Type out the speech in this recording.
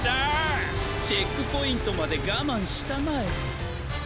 チェックポイントまでがまんしたまえ。